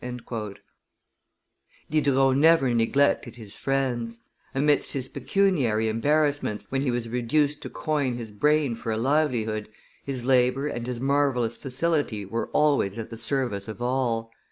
Diderot never neglected his friends; amidst his pecuniary embarrassments, when he was reduced to coin his brain for a livelihood, his labor and his marvellous facility were always at the service of all.